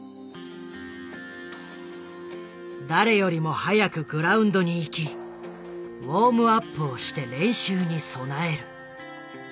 誰よりも早くグラウンドに行きウォームアップをして練習に備える。